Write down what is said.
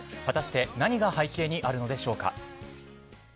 果たして、何が背景にあるのでしょうか。